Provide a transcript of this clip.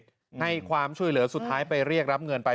ให้ความช่วยเหลือสุดท้ายไปเรียกรับเงินไป